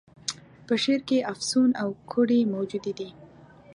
په شعر کي افسون او کوډې موجودي دي.